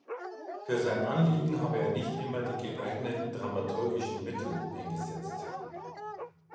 Für sein Anliegen habe er nicht immer die „geeigneten dramaturgischen Mittel“ eingesetzt.